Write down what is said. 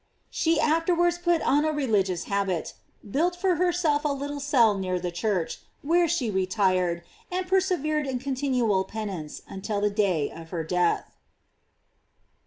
She after wards put on a religious habit, built for herself a little cell near the church, where she retired, and persevered in continual penance until the day of her death.